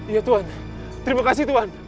iya tuhan terima kasih tuhan